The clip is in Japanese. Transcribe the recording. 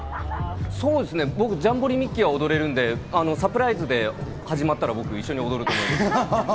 そうですね、僕、ジャンボリミッキー！は踊れるんで、サプライズで始まったら、僕一緒に踊ると思います。